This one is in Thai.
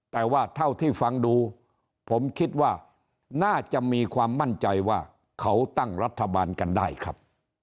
แต่ว่าเท่าที่ฟังดูผมคิดว่าน่าจะมีความมั่นใจว่าเขาตั้งรัฐบาลกันได้ครับ